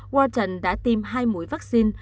wharton đã tiêm hai mũi vaccine